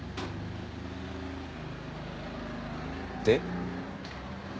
で？